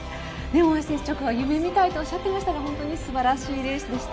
大橋選手、直後は夢みたいだとおっしゃっていましたが素晴らしいレースでした。